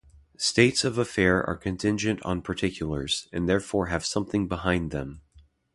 States of affairs are contingent on particulars, and therefore have something behind them.